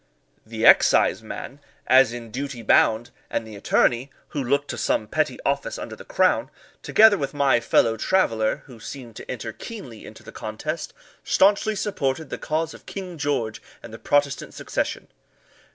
The excise man, as in duty bound, and the attorney, who looked to some petty office under the Crown, together with my fellow traveller, who seemed to enter keenly into the contest, staunchly supported the cause of King George and the Protestant succession.